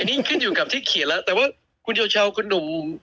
นี่ขึ้นอยู่กับที่เขียนแล้วแต่ว่าคุณชาวคุณหนุ่ม